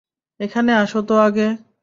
এখানে আসো তো আগে।